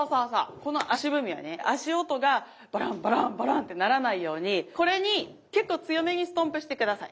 この足踏みはね足音がバランバランバランってならないようにこれに結構強めにストンプして下さい。